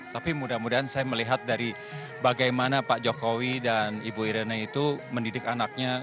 tapi mudah mudahan saya melihat dari bagaimana pak jokowi dan ibu irena itu mendidik anaknya